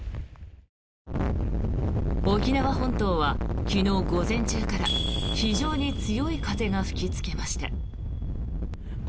沖縄本島は昨日午前中から非常に強い風が吹きつけました。